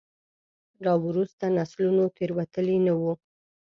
راوروسته نسلونو تېروتلي نه وو.